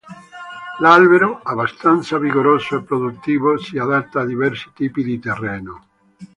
L'albero, abbastanza vigoroso e produttivo, si adatta a diversi tipi di terreno.